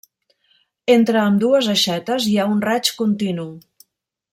Entre ambdues aixetes hi ha un raig continu.